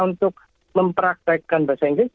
untuk mempraktekkan bahasa inggris